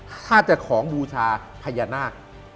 หากจัดของบูชาพยานาจ